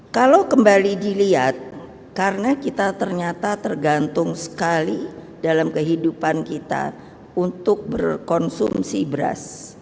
kalau kembali dilihat karena kita ternyata tergantung sekali dalam kehidupan kita untuk berkonsumsi beras